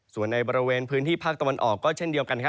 ส่วนในบริเวณพื้นที่ภาคตะวันออกก็เช่นเดียวกัน